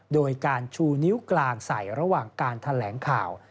โดยการชูนิ้วกลางใส่ระหว่างการแถลงข่าว